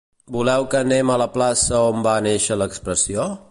Voleu que anem a la plaça on va néixer l'expressió?